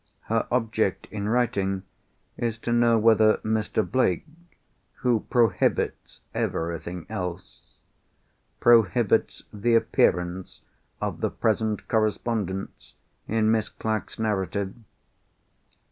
Her object in writing is to know whether Mr. Blake (who prohibits everything else) prohibits the appearance of the present correspondence in Miss Clack's narrative?